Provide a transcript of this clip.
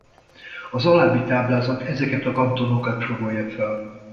Az alábbi táblázat ezeket a kantonokat sorolja fel.